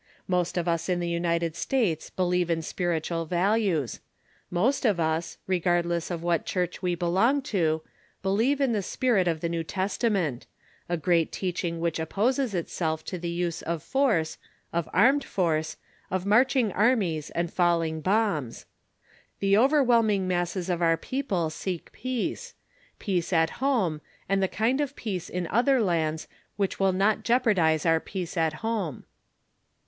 Most of us in the United States believe in spiritual values. Most of us, regardless of what church we belong to, believe in the spirit of the New Testament a great teaching which opposes itself to the use of force, of armed force, of marching armies and falling bombs. The overwhelming masses of our people seek peace peace at home, and the kind of peace in other lands which will not jeopardize our peace at home.